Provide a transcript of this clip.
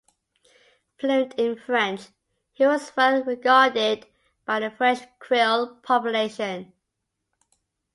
Fluent in French, he was well regarded by the French Creole population.